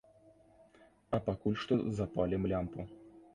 А пакуль што запалім лямпу.